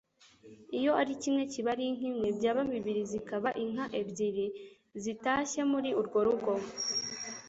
Iyo ari kimwe kiba ari inka imwe ,byaba bibiri zikaba inka ebyiri zitashye muri urwo rugo